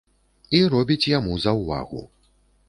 І робіць яму заўвагу.